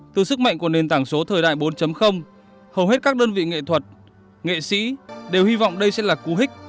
từ sức mạnh của nền tảng số thời đại bốn hầu hết các đơn vị nghệ thuật nghệ sĩ đều hy vọng đây sẽ là cú hích